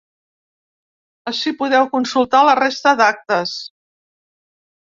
Ací podeu consultar la resta d’actes.